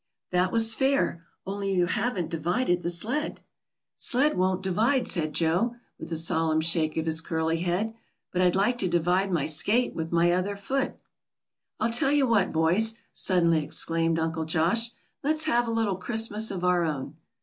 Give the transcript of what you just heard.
"That was fair. Only you haven't divided the sled." "The sled won't divide," said Joe, with a solemn shake of his curly head; "but I'd like to divide my skate with my other foot." "I'll tell you what, boys," suddenly exclaimed Uncle Josh, "let's have a little Christmas of our own."